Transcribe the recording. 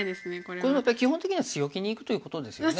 これもやっぱ基本的には強気にいくということですよね。